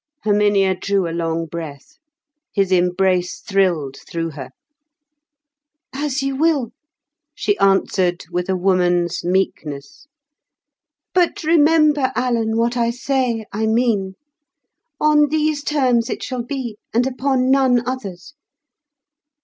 Herminia drew a long breath. His embrace thrilled through her. "As you will," she answered with a woman's meekness. "But remember, Alan, what I say I mean; on these terms it shall be, and upon none others.